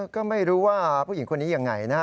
ก็ไม่รู้ว่าผู้หญิงคนนี้ยังไงนะฮะ